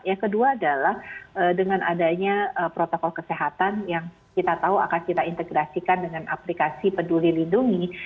yang kedua adalah dengan adanya protokol kesehatan yang kita tahu akan kita integrasikan dengan aplikasi peduli lindungi